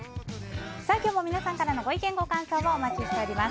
今日も皆さんからのご意見、ご感想をお待ちしています。